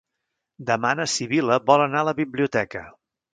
Demà na Sibil·la vol anar a la biblioteca.